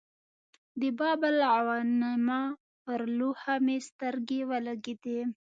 د باب الغوانمه پر لوحه مې سترګې ولګېدې.